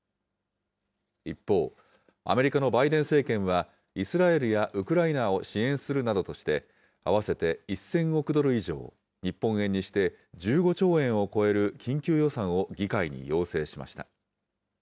一方、アメリカのバイデン政権は、イスラエルやウクライナを支援するなどとして、合わせて１０００億ドル以上、日本円にして１５兆円を超える緊急予算を議会に要請しました。